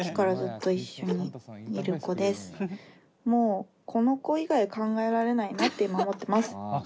もうこの子以外考えられないなって今思ってます。